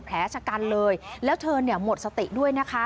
แผลชะกันเลยแล้วเธอเนี่ยหมดสติด้วยนะคะ